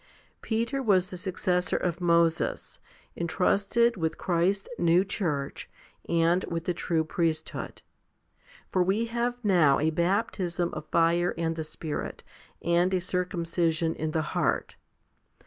Peter was the suc cessor of Moses, entrusted with Christ's new church and with the true priesthood ; for we have now a baptism of fire and the Spirit, and a circumcision in the heart.